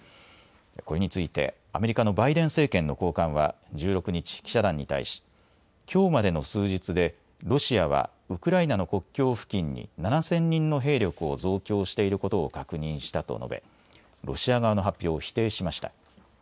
これについて、アメリカのバイデン政権の高官は１６日、記者団に対しきょうまでの数日でロシアはウクライナの国境付近に７０００人の兵力を増強していることを確認したと述べ、ロシア側の発表を否定しました。